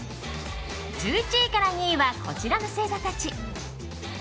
１１位から２位はこちらの星座たち。